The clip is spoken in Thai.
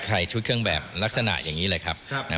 ใส่ชุดเครื่องแบบลักษณะอย่างนี้เลยครับ